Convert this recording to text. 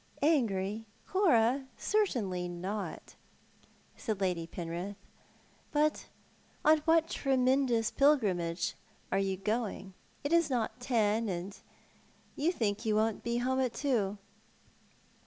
" Angry, Cora, certainly not," said Lady Penrith. " But on what tremendous pilgrimage are you going ? It is not ten, and you think you won't be home at two."